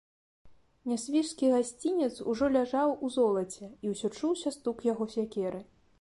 Нясвіжскі гасцінец ужо ляжаў у золаце, і ўсё чуўся стук яго сякеры.